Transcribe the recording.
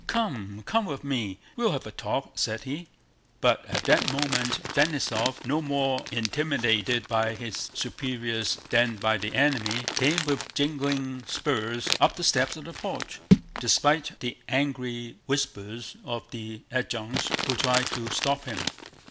"Come! Come with me, we'll have a talk," said he. But at that moment Denísov, no more intimidated by his superiors than by the enemy, came with jingling spurs up the steps of the porch, despite the angry whispers of the adjutants who tried to stop him.